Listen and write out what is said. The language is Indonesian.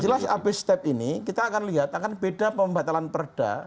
jelas abis step ini kita akan lihat akan beda pembatalan perda